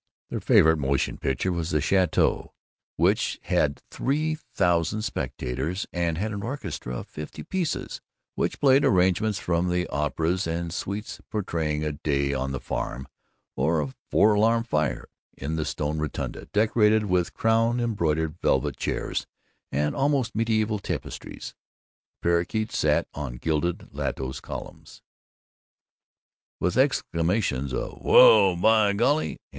Their favorite motion picture theater was the Château, which held three thousand spectators and had an orchestra of fifty pieces which played Arrangements from the Operas and suites portraying a Day on the Farm, or a Four alarm Fire. In the stone rotunda, decorated with crown embroidered velvet chairs and almost medieval tapestries, parrakeets sat on gilded lotos columns. With exclamations of "Well, by golly!"